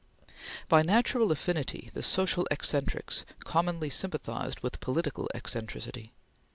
By natural affinity the social eccentrics commonly sympathized with political eccentricity.